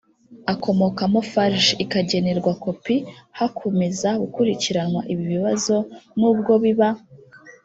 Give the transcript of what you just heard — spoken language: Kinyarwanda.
akomokamo farg ikagenerwa kopi hakomeza gukurikiranwa ibi bibazo n ubwo biba